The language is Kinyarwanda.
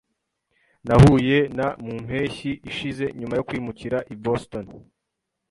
Nahuye na mu mpeshyi ishize nyuma yo kwimukira i Boston.